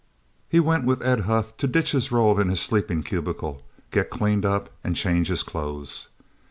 He went with Ed Huth to ditch his roll in his sleeping cubicle, get cleaned up and change his clothes.